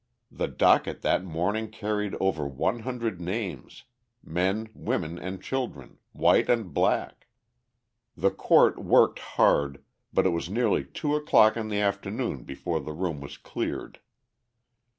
The docket that morning carried over one hundred names men, women, and children, white and black; the court worked hard, but it was nearly two o'clock in the afternoon before the room was cleared.